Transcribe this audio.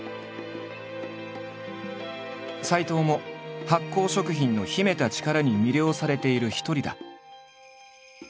斎藤も発酵食品の秘めた力に魅了されている一人だ。